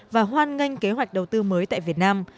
và hoan nghênh kế hoạch đầu tư mới tại việt nam